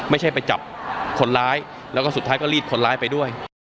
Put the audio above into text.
ไม่ใช่ไปจับคนร้ายแล้วก็สุดท้ายก็รีดคนร้ายไปด้วย